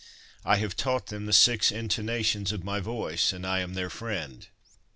I have taught them the six intonations of my voice, and I am their friend.